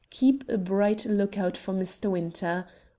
Keep a bright look out for Mr. Winter.